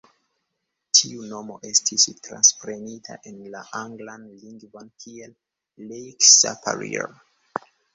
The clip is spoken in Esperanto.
Tiu nomo estis transprenita en la anglan lingvon kiel "Lake Superior".